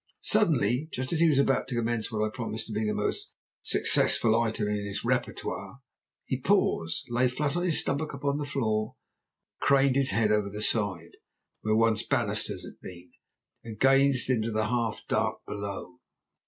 Suddenly, just as he was about to commence what promised to be the most successful item in his repertoire, he paused, lay flat on his stomach upon the floor, and craned his head over the side, where once banisters had been, and gazed into the half dark well below.